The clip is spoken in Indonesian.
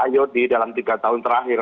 yodi dalam tiga tahun terakhir